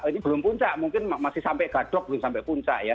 ini belum puncak mungkin masih sampai gadok belum sampai puncak ya